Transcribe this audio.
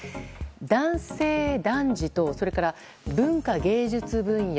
男性・男児とそれから文化芸術分野